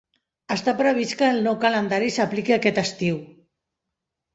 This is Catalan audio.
Està previst que el nou calendari s'apliqui aquest estiu.